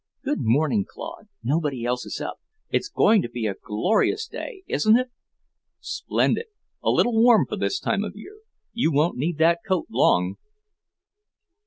"Good morning, Claude. Nobody else is up. It's going to be a glorious day, isn't it?" "Splendid. A little warm for this time of year. You won't need that coat long."